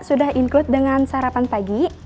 sudah include dengan sarapan pagi